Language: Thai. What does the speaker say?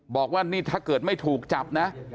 บอกว่านี่ถ้าเกิดไม่ถูกจับนะ